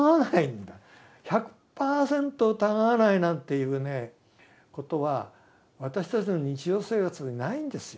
１００％疑わないなんていうねことは私たちの日常生活にないんですよ。